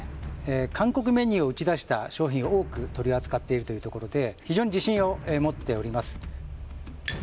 韓国メニューを打ち出した商品を多く取り扱っているというところで非常に自信を持っております